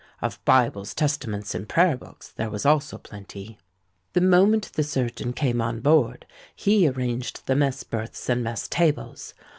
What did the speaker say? Of Bibles, Testaments, and Prayer Books, there was also plenty. "The moment the surgeon came on board, he arranged the mess berths and mess tables.